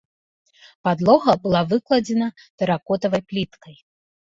Падлога была выкладзена тэракотавай пліткай.